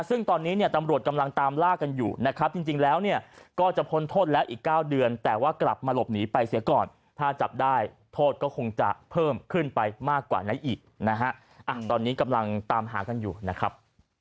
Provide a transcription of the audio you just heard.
ซึ่งตอนนี้เนี่ยตำรวจกำลังตามล่ากันอยู่นะครับจริงแล้วเนี่ยก็จะพ้นโทษแล้วอีก๙เดือนแต่ว่ากลับมาหลบหนีไปเสียก่อนถ้าจับได้โทษก็คงจะเพิ่มขึ้นไปมากกว่านั้นอีกนะฮะตอนนี้กำลังตามหากันอยู่นะครับ